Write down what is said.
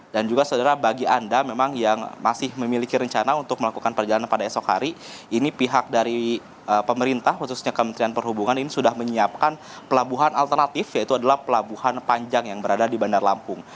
dan juga saudara bagi anda memang yang masih memiliki rencana untuk melakukan perjalanan pada esok hari ini pihak dari pemerintah khususnya kementerian perhubungan ini sudah menyiapkan pelabuhan alternatif yaitu adalah pelabuhan panjang yang berada di bandar lampung